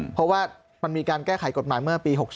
เพราะว่ามันมีการแก้ไขกฎหมายเมื่อปี๖๓